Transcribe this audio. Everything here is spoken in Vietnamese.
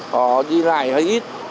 họ đi lại hơi ít